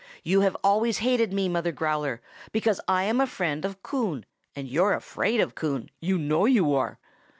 You have always hated me, Mother Growler, because I am a friend of Coon; and you're afraid of Coon, you know you are.